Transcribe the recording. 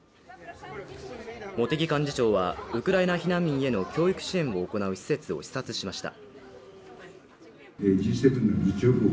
茂木幹事長は、ウクライナ避難民への教育支援を行う施設を視察しました。